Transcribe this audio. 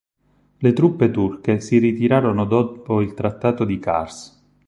Le truppe turche si ritirarono dopo il Trattato di Kars.